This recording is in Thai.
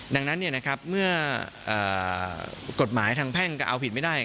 ดังนั้นเมื่อกฎหมายทางแพ่งก็เอาผิดไม่ได้